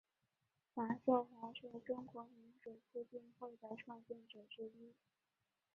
马寿华是中国民主促进会的创建者之一。